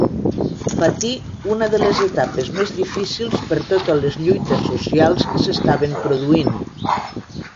Patí una de les etapes més difícils per totes les lluites socials que s'estaven produint.